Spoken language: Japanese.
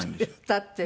立ってね。